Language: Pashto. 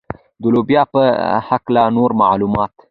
د لوبیا په هکله نور معلومات.